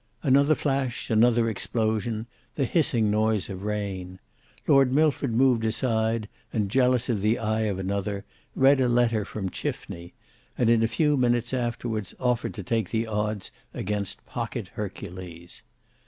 Another flash, another explosion, the hissing noise of rain. Lord Milford moved aside, and jealous of the eye of another, read a letter from Chifney, and in a few minutes afterwards offered to take the odds against Pocket Hercules.